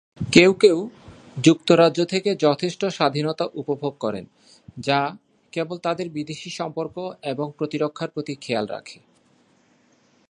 কেউ কেউ যুক্তরাজ্য থেকে যথেষ্ট স্বাধীনতা উপভোগ করেন যা কেবল তাদের বিদেশী সম্পর্ক এবং প্রতিরক্ষার প্রতি খেয়াল রাখে।